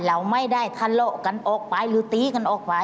เราไม่ได้ทะเลาะกันออกไปหรือตีกันออกไป